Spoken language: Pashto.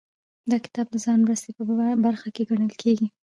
دا کتاب د ځان مرستې په برخه کې ګڼل کیږي.